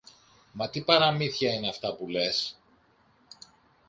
Μα τι παραμύθια είναι αυτά που λες;